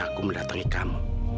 aku mendatangi kamu